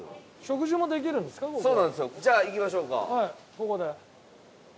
ここで。